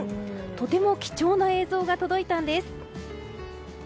とても貴重な映像が届いたんです。